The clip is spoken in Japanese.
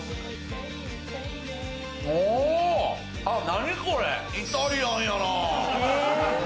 何これ、イタリアンやな。